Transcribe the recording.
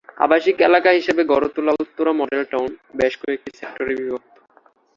আবাসিক এলাকা হিসাবে গড়ে তোলা উত্তরা মডেল টাউন বেশ কয়েকটি সেক্টরে বিভক্ত।